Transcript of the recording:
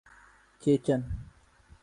چیچن